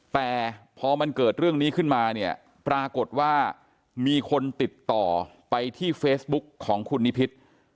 แต่พอมันเกิดเรื่องนี้ขึ้นมาเนี่ยปรากฏว่ามีคนติดต่อไปที่เฟซบุ๊กของคุณนิพิษ